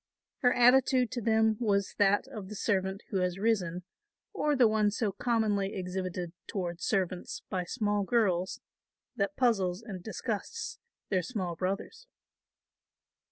Her attitude to them was that of the servant who has risen or the one so commonly exhibited toward servants by small girls, that puzzles and disgusts their small brothers.